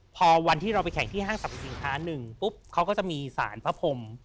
พอวันที่เราไปแข่งที่ห้างสรรพสินค้าหนึ่งปุ๊บเขาก็จะมีสารพระพรม